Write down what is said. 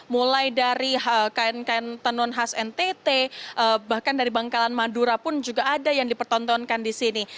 mulai dari kain kain tenun khas ntt bahkan dari bangkalan madura pun juga ada yang dipertontonkan di sini